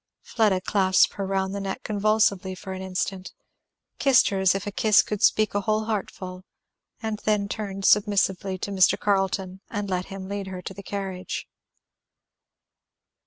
Fleda clasped her round the neck convulsively for an instant, kissed her as if a kiss could speak a whole heartful, and then turned submissively to Mr. Carleton and let him lead her to the carriage.